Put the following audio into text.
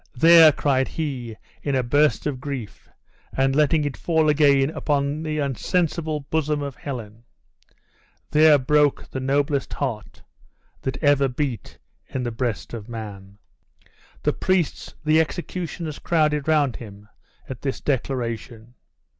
"There," cried he, in a burst of grief, and letting it fall again upon the insensible bosom of Helen "there broke the noblest heart that ever beat in the breast of man!" The priests, the executioners crowded round him at this declaration.